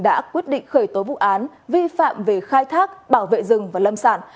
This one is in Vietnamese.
đã quyết định khởi tố vụ án vi phạm về khai thác bảo vệ rừng và lâm sản